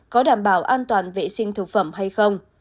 có đảm bảo an toàn vệ sinh thực phẩm hay không